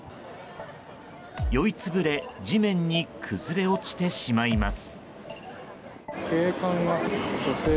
酔い潰れ地面に崩れ落ちてしまいます。